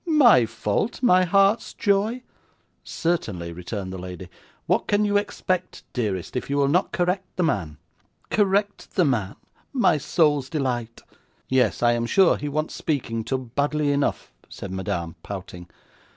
'My fault, my heart's joy?' 'Certainly,' returned the lady; 'what can you expect, dearest, if you will not correct the man?' 'Correct the man, my soul's delight!' 'Yes; I am sure he wants speaking to, badly enough,' said Madame, pouting.